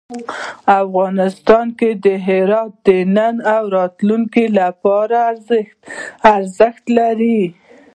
افغانستان کې هرات د نن او راتلونکي لپاره ارزښت لري.